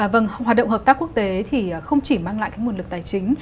vâng hoạt động hợp tác quốc tế thì không chỉ mang lại cái nguồn lực tài chính